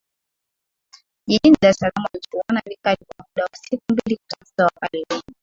jijini Dar es Salaam walichuana vikali kwa muda wa siku mbili kutafuta wakali wenye